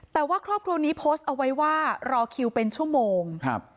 แต่ว่าครอบครัวนี้โพสต์เอาไว้ว่ารอคิวเป็นชั่วโมงครับ